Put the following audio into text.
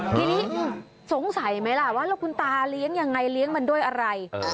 ทีนี้สงสัยไหมล่ะว่าแล้วคุณตาเลี้ยงยังไงเลี้ยงมันด้วยอะไร